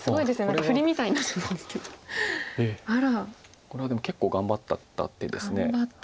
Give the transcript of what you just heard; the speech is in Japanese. これはでも結構頑張った手です。